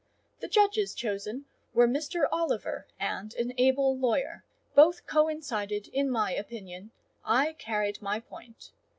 The judges chosen were Mr. Oliver and an able lawyer: both coincided in my opinion: I carried my point.